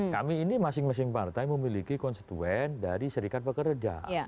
kami ini masing masing partai memiliki konstituen dari serikat pekerja